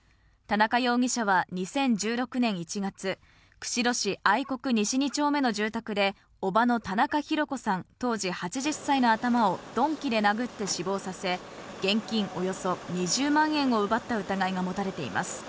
田中容疑者は２０１６年１月、釧路市愛国西２丁目の住宅で、おばの田中弘子さん当時８０歳の頭を鈍器で殴って死亡させ、現金およそ２０万円を奪った疑いが持たれています。